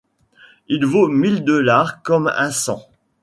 Il vaut mille dollars comme un cent !